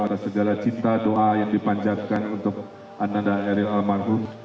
atas segala cinta doa yang dipanjatkan untuk ananda eril almarhum